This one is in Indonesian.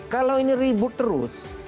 kalau ini ribut terus